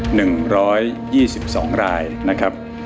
หนึ่งร้อยยี่สิบสองรายนะครับ